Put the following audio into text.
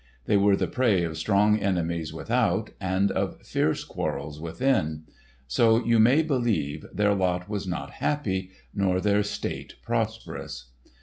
They were the prey of strong enemies without, and of fierce quarrels within. So, you may believe, their lot was not happy, nor their state prosperous.